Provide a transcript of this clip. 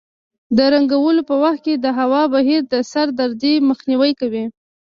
د رنګولو په وخت کې د هوا بهیر د سر دردۍ مخنیوی کوي.